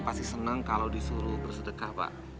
pasti senang kalau disuruh bersedekah pak